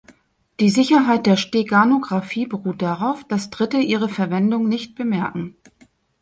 Die Sicherheit der Steganographie beruht darauf, dass Dritte ihre Verwendung nicht bemerken.